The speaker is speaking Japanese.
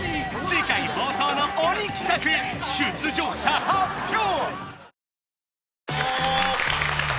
次回放送の鬼企画出場者発表！